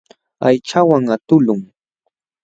Aychawan aqtuqlun.